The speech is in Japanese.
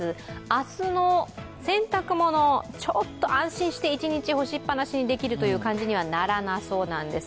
明日の洗濯物、ちょっと安心して一日干しっぱなしにできるという感じにならなさそうです、